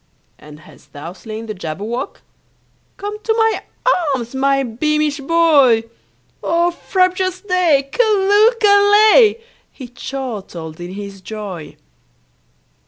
"And hast thou slain the Jabberwock? Come to my arms, my beamish boy! Oh, frabjous day! Callooh! callay!" He chortled in his joy.